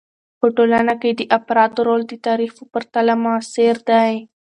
په ټولنه کې د افرادو رول د تاریخ په پرتله معاصر دی.